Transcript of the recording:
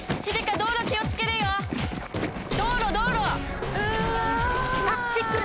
道路道路！